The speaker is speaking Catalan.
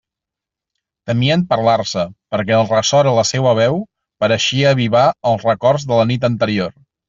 Temien parlar-se, perquè el ressò de la seua veu pareixia avivar els records de la nit anterior.